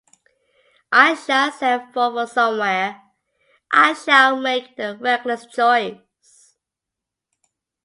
I shall set forth for somewhere, I shall make the reckless choice.